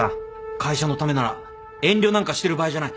会社のためなら遠慮なんかしてる場合じゃない。